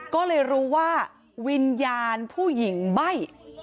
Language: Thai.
ก็เลยรู้ว่าวิญญาณผู้หญิงใบ้